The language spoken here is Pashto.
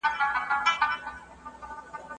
دا تمرین د شا د درد لپاره ډېر ګټور دی.